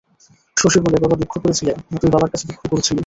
শশী বলে, বাবা দুঃখ করছিলেন, না তুই বাবার কাছে দুঃখ করছিলি?